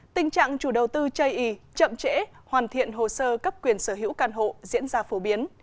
tình trạng chủ đầu tư chây ý chậm trễ hoàn thiện hồ sơ cấp quyền sở hữu căn hộ diễn ra phổ biến